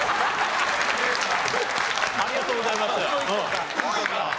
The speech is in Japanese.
ありがとうございます。